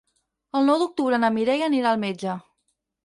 El nou d'octubre na Mireia anirà al metge.